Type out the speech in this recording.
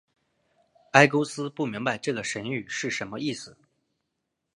埃勾斯不明白这个神谕是什么意思。